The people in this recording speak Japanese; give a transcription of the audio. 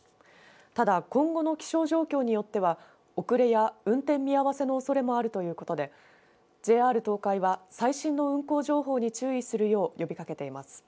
ただ今後の気象状況によっては遅れや運転見合わせのおそれもあるということでＪＲ東海は最新の運行情報に注意するよう呼びかけています。